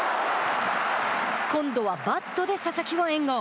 今度はバットで佐々木を援護。